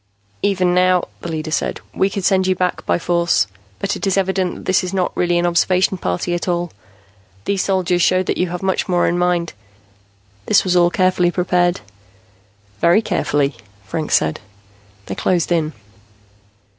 "Even now," the leader said, "we could send you back by force. But it is evident that this is not really an observation party at all. These soldiers show that you have much more in mind; this was all carefully prepared." "Very carefully," Franks said. They closed in.